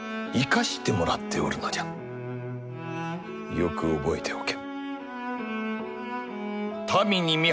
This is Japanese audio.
よく覚えておけ。